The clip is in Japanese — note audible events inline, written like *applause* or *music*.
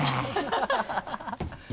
ハハハ *laughs*